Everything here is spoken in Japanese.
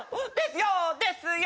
「ですよ。